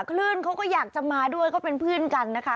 คลื่นเขาก็อยากจะมาด้วยเขาเป็นเพื่อนกันนะคะ